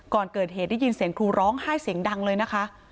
ก่อนเกิดเหตุได้ยินเสียงครูร้องไห้เสียงดังเลยนะคะ